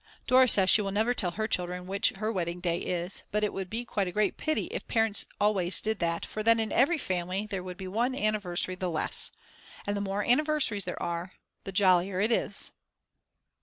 Dora says she will never tell her children which her wedding day is. But it would be a great pity if parents always did that for then in every family there would be one anniversary the less. And the more anniversaries there are, the jollier it is.